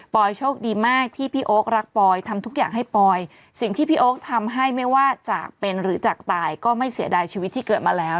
โชคดีมากที่พี่โอ๊ครักปอยทำทุกอย่างให้ปอยสิ่งที่พี่โอ๊คทำให้ไม่ว่าจากเป็นหรือจากตายก็ไม่เสียดายชีวิตที่เกิดมาแล้ว